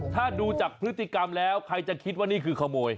ถ้าดูจากพฤติกรรมแล้วใครจะคิดว่านี่คือขโมย